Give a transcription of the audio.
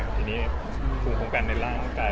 ภูมิถึงในร่างกาย